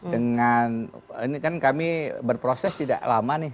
dengan ini kan kami berproses tidak lama nih